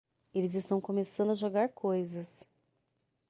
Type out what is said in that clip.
Eles estão começando a jogar coisas!